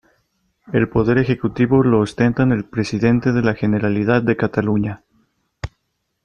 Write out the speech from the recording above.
El poder ejecutivo lo ostentan el Presidente de la Generalidad de Cataluña.